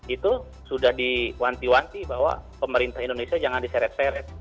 itu sudah diwanti wanti bahwa pemerintah indonesia jangan diseret seret